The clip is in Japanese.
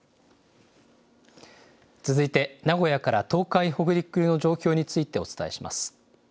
続いて名古屋から東海、北陸の状況についてお伝えします。